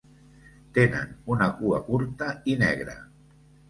Tenen una cua curta i negra.